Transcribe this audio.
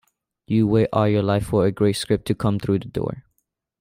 You wait all your life for a great script to come through the door.